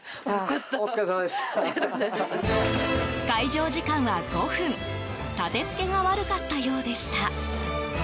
開錠時間は５分建てつけが悪かったようでした。